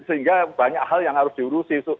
sehingga banyak hal yang harus diurusi